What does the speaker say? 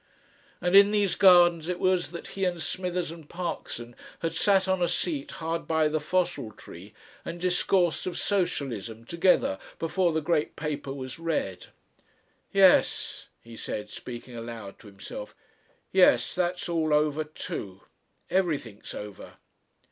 And in these gardens it was that he and Smithers and Parkson had sat on a seat hard by the fossil tree, and discoursed of Socialism together before the great paper was read.... "Yes," he said, speaking aloud to himself; "yes that's all over too. Everything's over."